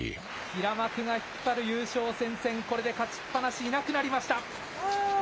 平幕が引っ張る優勝戦線、これで勝ちっ放し、いなくなりました。